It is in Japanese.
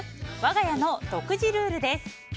わが家の独自ルールです。